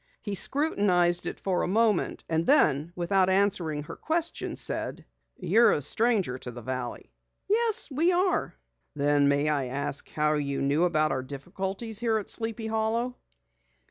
He scrutinized it for a moment, and then without answering her question said: "You are a stranger to the valley." "Yes, we are." "Then may I ask how you knew about our difficulties here at Sleepy Hollow?"